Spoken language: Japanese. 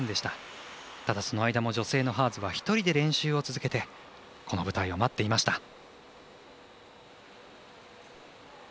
ただ、その間の女性のハーズは１人で練習を続けこの舞台を待っていました。